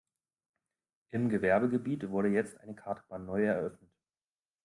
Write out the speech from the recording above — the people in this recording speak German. Im Gewerbegebiet wurde jetzt eine Kartbahn neu eröffnet.